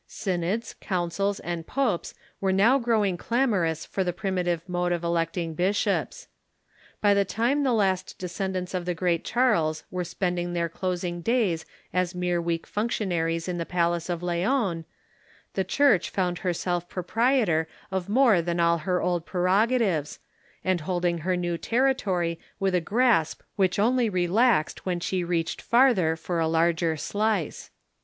Synods, councils, and popes were now growing clamorous for the prim itive mode of electing bishops. By the time the last descend ants of the great Chai les Avere spending their closing days as mere weak functionaries in the palace of Laon, the Church found herself proj^rietor of more than all her old prerogatives, and holding her new territory with a grasp which only relaxed when she reached farther for a larger slice.